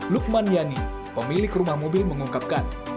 lukman yani pemilik rumah mobil mengungkapkan